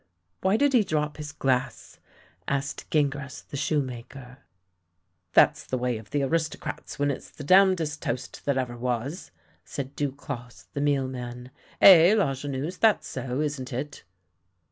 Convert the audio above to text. " Why did he drop his glass? " asked Gingras the shoemaker. " That's the way of the aristocrats when it's the damnedest toast that ever was!" said Duclosse the mealman. " Eh, Lajeunesse, that's so, isn't it?